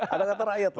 ada kata rakyat lah